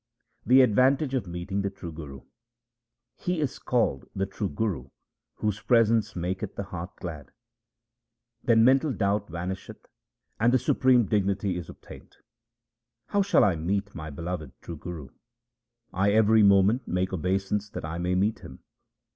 The advantage of meeting the true Guru :— He is called the true Guru whose presence maketh the heart glad ; Then mental doubt vanisheth, and the supreme dignity is obtained. How shall I meet my beloved true Guru ? 1 every moment make obeisance that I may meet him.